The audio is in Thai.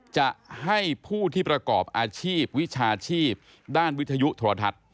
จะให้ผู้ที่ประกอบอาชีพวิชาชีพด้านวิทยุโทรทัศน์